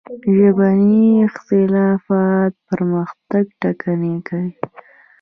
ژبني اختلافات پرمختګ ټکنی کوي.